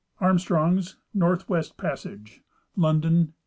Armstrong's Northwest Passage, London, 1857.